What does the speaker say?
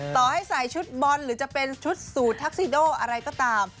ต่อให้ใส่ชุดบอลหรือจะเป็นชุดสูตรทักซิโดอะไรก็ตาม